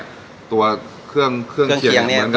เพราะว่าเครื่องเคียงเหมือนกันหมดนะ